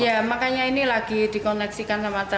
ya makanya ini lagi dikoneksikan sama teman teman